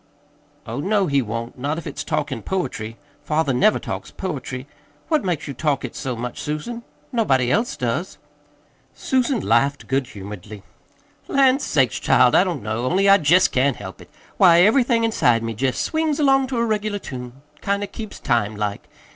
"Oh, no, he won't not if it's talking poetry. Father never talks poetry. What makes you talk it so much, Susan? Nobody else does." Susan laughed good humoredly. "Lan' sakes, child, I don't know, only I jest can't help it. Why, everything inside of me jest swings along to a regular tune kind of keeps time, like.